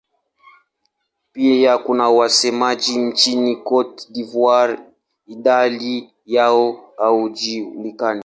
Pia kuna wasemaji nchini Cote d'Ivoire; idadi yao haijulikani.